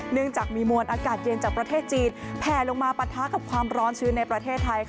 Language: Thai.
เนื่องจากมีมวลอากาศเย็นจากประเทศจีนแผลลงมาปะทะกับความร้อนชื้นในประเทศไทย